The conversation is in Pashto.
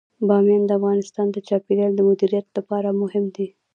بامیان د افغانستان د چاپیریال د مدیریت لپاره مهم دي.